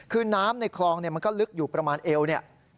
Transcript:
คือน้ำในคลองมันก็ลึกอยู่ประมาณเอวเนี่ย